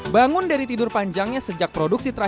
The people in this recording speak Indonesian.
bangun dari tidur panjangnya sejak produksi terakhir